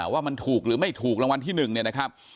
ว่ามันถูกหรือไม่ถูกรางวัลที่๑เนี่ยนะครับ